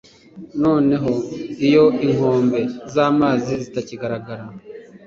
noneho, iyo inkombe zamazi zitakigaragara